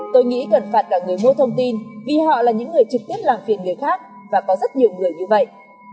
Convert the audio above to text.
tôi nghĩ cần phạt cả người mua thông tin vì họ là những người trực tiếp làm phiền người khác và có rất nhiều người như vậy